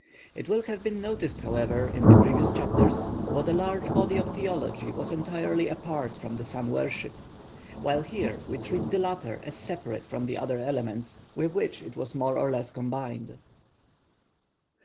It will have been noticed however in the previous chapters what a large body of theology was entirely apart from the sun worship, while here we treat the latter as separate from the other elements with which it was more or less combined.